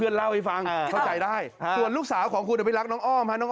ไม่ใช่๑๐เท่าเหรอ